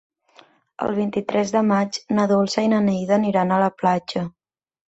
El vint-i-tres de maig na Dolça i na Neida aniran a la platja.